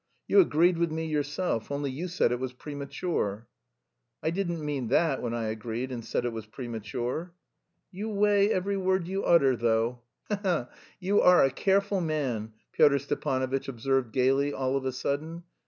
You agreed with me yourself, only you said it was premature." "I didn't mean that when I agreed and said it was premature." "You weigh every word you utter, though. He he! You are a careful man!" Pyotr Stepanovitch observed gaily all of a sudden.